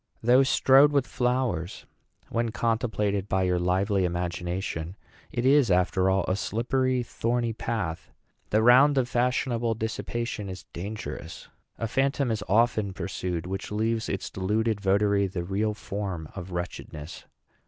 Though strewed with flowers, when contemplated by your lively imagination, it is, after all, a slippery, thorny path. The round of fashionable dissipation is dangerous. A phantom is often pursued, which leaves its deluded votary the real form of wretchedness."